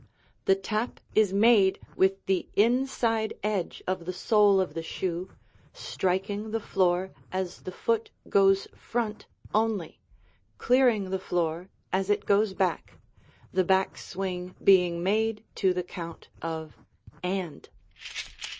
The tap is made with the inside edge of the sole of the shoe, striking the floor as the foot goes front only, clearing the floor as it goes back, the back swing being made to the count of "and."